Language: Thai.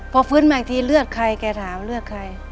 พอฟื้นมาอีกทีเลือดใครแกถามเลือดใคร